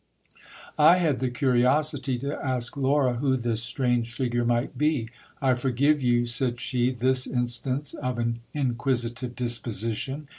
I had the curiosity to ask I^ura who this strange figure might be I forgive you, said she, this instance of an inquisitive disposition.